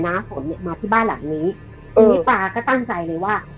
้าฝนเนี่ยมาที่บ้านหลังนี้พี่ป๊าก็ตั้งใจเลยว่า